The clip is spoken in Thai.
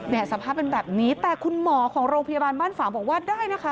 สภาพเป็นแบบนี้แต่คุณหมอของโรงพยาบาลบ้านฝางบอกว่าได้นะคะ